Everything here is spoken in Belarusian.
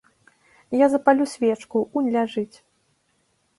Я запалю свечку, унь ляжыць.